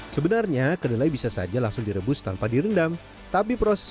sebenarnya kedelai bisa saja langsung direbus tanpa direndam tapi prosesnya